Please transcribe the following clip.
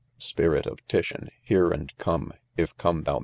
— Spirit of Titian ! hear, and some, If come thou.